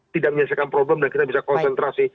tidak menyelesaikan problem dan kita bisa konsentrasi